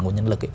của nhân lực ấy